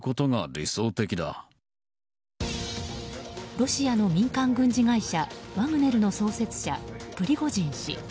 ロシアの民間軍事会社ワグネルの創設者、プリゴジン氏。